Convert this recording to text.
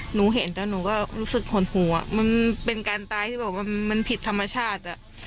หนูเห็นแต่หนูก็รู้สึกหดหูอ่ะมันเป็นการตายที่บอกว่ามันผิดธรรมชาติ